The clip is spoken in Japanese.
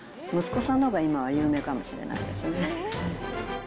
息子さんのが今は有名かもしれないですね。